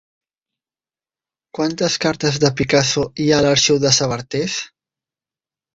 Quantes cartes de Picasso hi ha a l'arxiu de Sabartés?